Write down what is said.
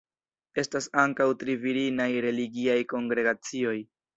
Estas ankaŭ tri virinaj religiaj kongregacioj.